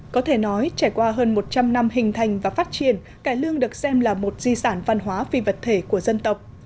có thể nói trải qua hơn một trăm linh năm hình thành và phát triển cải lương được xem là một di sản văn hóa phi vật thể của dân tộc